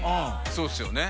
そうですよね。